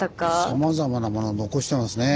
さまざまなもの残してますね。